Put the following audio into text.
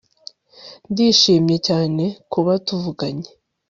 ndishimye cyane kuba tuvuganye